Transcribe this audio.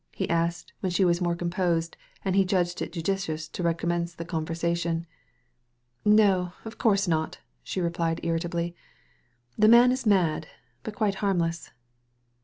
he asked when she was more composed, and he judged it judicious to recommence the conversation. "No, of course not!'* she replied irritably; •'the man is mad, but quite harmless.